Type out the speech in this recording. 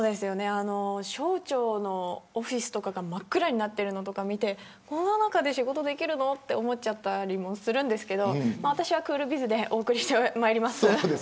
省庁のオフィスとかが真っ暗になっているのを見てこんな中で仕事できるのかと思っちゃったりするんですけど私はクールビズでお送りしてまいります。